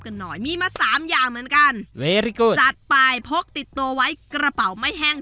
กันหน่อยมีมาสามอย่างเหมือนกันเวริโกจัดไปพกติดตัวไว้กระเป๋าไม่แห้ง